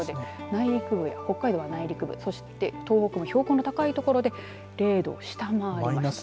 内陸、北海道内陸部そして東北の標高の高い所で０度を下回りました。